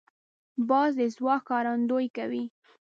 باز د ځواک ښکارندویي کوي